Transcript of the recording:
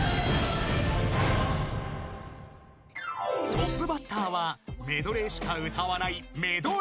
［トップバッターはメドレーしか歌わない］